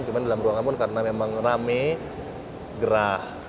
cuma dalam ruangan pun karena memang rame gerah